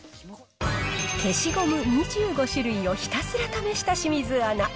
消しゴム２５種類をひたすら試した清水アナ。